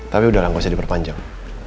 tapi udah lah gak usah diperpanjang